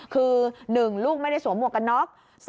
คือ๑ลูกไม่ได้สวมหมวกกันน็อก